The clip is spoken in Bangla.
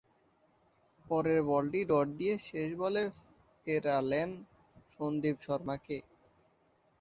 পরের বলটি ডট দিয়ে শেষ বলে ফেরালেন সন্দ্বীপ শর্মাকে।